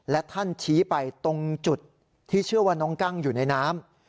และท่านชี้ไปตรงจุดที่เชื่อว่าน้องกั้งอยู่ในน้ำ